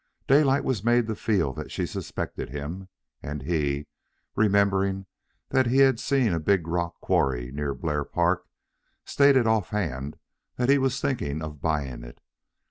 Daylight was made to feel that she suspected him, and he, remembering that he had seen a big rock quarry near Blair Park, stated offhand that he was thinking of buying it.